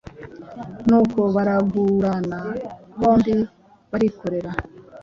nuko baragurana bombi barikorera,